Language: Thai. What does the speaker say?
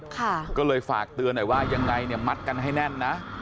ก็เลยฝากเตือนหน่อยว่ายังไงเนี่ยมัดกันให้แน่นนะ